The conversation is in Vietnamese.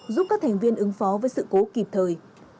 giúp các thành viên ứng phó với sự cố kịp thời